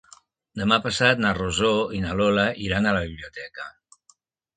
Demà passat na Rosó i na Lola iran a la biblioteca.